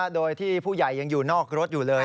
โดยที่ผู้ใหญ่ยังอยู่นอกรถอยู่เลย